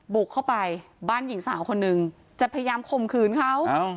บุกเข้าไปบ้านหญิงสาวคนนึงจะพยายามข่มขืนเขา